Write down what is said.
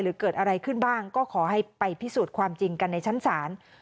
เกิดอะไรขึ้นบ้างก็ขอให้ไปพิสูจน์ความจริงกันในชั้นศาล